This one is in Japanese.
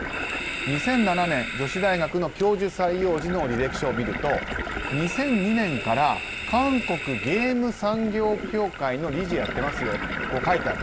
２００７年女子大学の教授採用時の履歴書を見ると、２００２年から韓国ゲーム産業協会の理事をやってますよと書いてある。